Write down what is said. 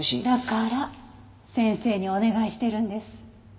だから先生にお願いしているんです。